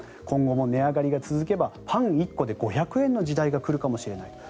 今後も値上がりが続けばパン１個で５００円の時代が来るかもしれない。